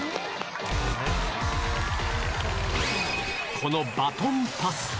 このバトンパス。